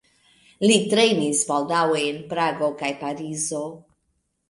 Li trejnis baldaŭe en Prago kaj Parizo.